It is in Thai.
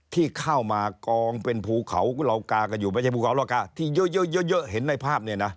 ที่เข้ามากองเป็นภูเขาเหล่ากากันอยู่ไม่ใช่ภูเขาเรากาที่เยอะเยอะเห็นในภาพเนี่ยนะ